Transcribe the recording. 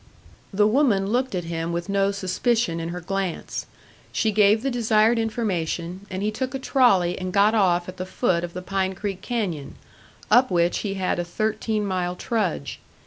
The woman looked at him with no suspicion in her glance. She gave the desired information, and he took a trolley and got off at the foot of the Pine Creek canyon, up which he had a thirteen mile trudge.